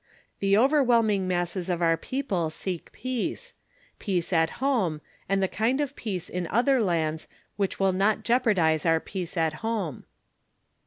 The overwhelming masses of our people seek peace peace at home, and the kind of peace in other lands which will not jeopardize our peace at home.